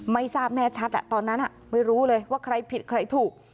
ไม่ทราบแน่ชัดตอนนั้นไม่รู้เลยว่าใครผิดใครถูก